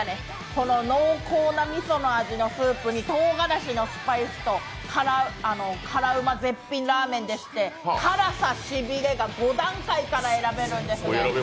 この濃厚なみその味のスープにとうがらしのスパイスと辛うま絶品ラーメンでして辛さ・しびれが５段階から選べるんですね。